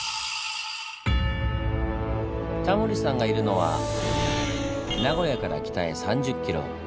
タモリさんがいるのは名古屋から北へ３０ｋｍ。